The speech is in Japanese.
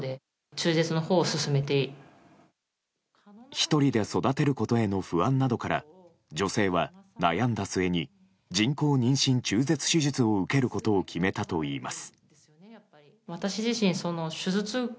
１人で育てることへの不安などから女性は悩んだ末に人工妊娠中絶手術を受けることを決めたといいます。